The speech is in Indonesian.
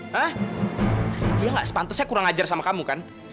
hah dia gak sepantesnya kurang ajar sama kamu kan